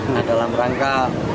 nah dalam rangka